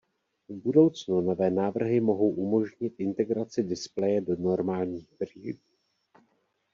V budoucnu nové návrhy mohou umožnit integraci displeje do normálních brýlí.